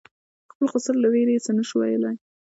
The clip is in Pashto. خپل خسر له وېرې یې څه نه شو ویلای.